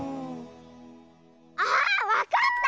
あわかった！